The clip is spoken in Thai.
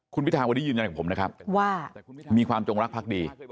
คุณพิทาวันนี้ยืนยันกับผมนะครับว่ามีความจงรักพักดี